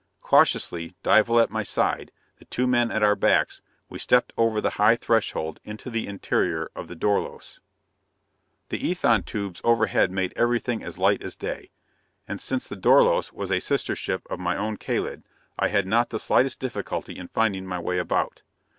Cautiously, Dival at my side, the two men at our backs, we stepped over the high threshold into the interior of the Dorlos. The ethon tubes overhead made everything as light as day, and since the Dorlos was a sister ship of my own Kalid, I had not the slightest difficulty in finding my way about.